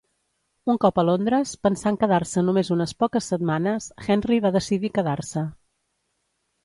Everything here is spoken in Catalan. Un cop a Londres, pensant quedar-se només unes poques setmanes, Henry va decidir quedar-se.